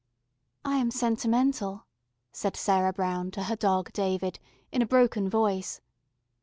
"I am sentimental," said Sarah Brown to her Dog David in a broken voice.